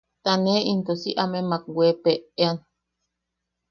Ta ne into si amemak weepeʼean.